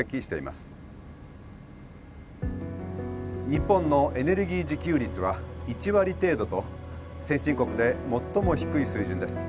日本のエネルギー自給率は１割程度と先進国で最も低い水準です。